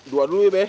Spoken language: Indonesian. dua dulu ya be